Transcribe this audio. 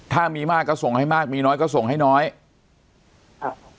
ถ้ามีมากก็ส่งให้มากมีน้อยก็ส่งให้น้อยครับ